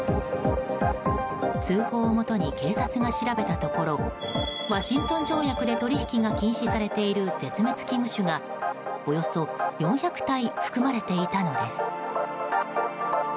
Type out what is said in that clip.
通報をもとに警察が調べたところワシントン条約で取引が禁止されている絶滅危惧種が、およそ４００体含まれていたのです。